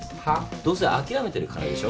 どうせ諦めてる金でしょ。